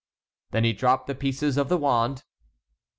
Then he dropped the pieces of the wand.